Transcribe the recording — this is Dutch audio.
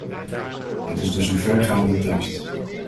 Het is dus een vergaande tekst.